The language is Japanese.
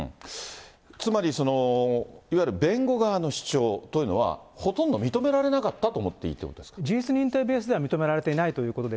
つまり、いわゆる弁護側の主張というのは、ほとんど認められなかったと思っていいということ事実認定ベースでは認められていないということです。